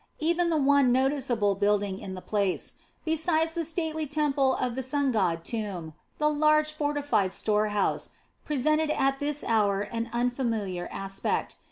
Even the one noticeable building in the place besides the stately temple of the sungod Turn the large fortified store house, presented at this hour an unfamiliar aspect.